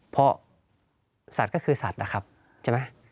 เพราะสัตว์ก็คือสัตว์นะครับใช่ไหม